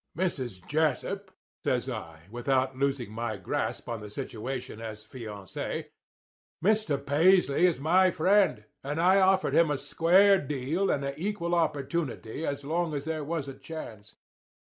"'Mrs. Jessup,' says I, without losing my grasp on the situation as fiancé, 'Mr. Paisley is my friend, and I offered him a square deal and a equal opportunity as long as there was a chance.